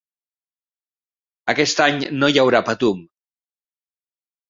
Aquest any no hi haurà Patum.